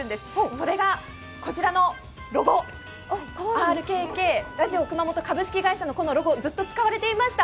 それが、こちらのロゴＲＫＫ、ラジオ熊本株式会社のロゴ、ずっと使われていました。